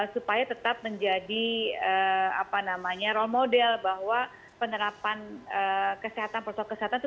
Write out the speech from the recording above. supaya tetap menjadi role model bahwa penerapan protokol kesehatan